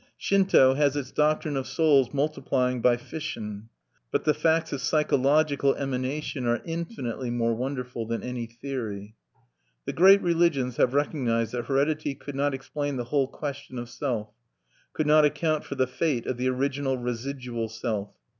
Shinto has its doctrine of souls multiplying by fission; but the facts of psychological emanation are infinitely more wonderful than any theory. The great religions have recognized that heredity could not explain the whole question of self, could not account for the fate of the original residual self.